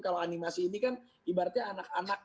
kalau animasi ini kan ibaratnya anak anak